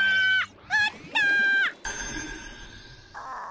ああ。